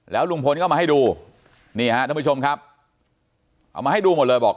ลุงพลก็มาให้ดูนี่ฮะท่านผู้ชมครับเอามาให้ดูหมดเลยบอก